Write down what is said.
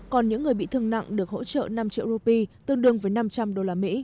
còn những người bị thương nặng được hỗ trợ năm triệu rupee tương đương với năm trăm linh usd